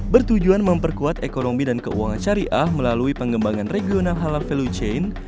bertujuan memperkuat ekonomi dan keuangan syariah melalui pengembangan regional halal value chain